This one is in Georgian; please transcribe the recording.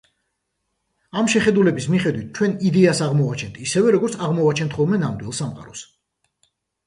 ამ შეხედულების მიხედვით ჩვენ იდეას აღმოვაჩენთ ისევე როგორც აღმოვაჩენთ ხოლმე ნამდვილ სამყაროს.